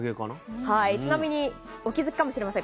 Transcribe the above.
ちなみにお気付きかもしれません。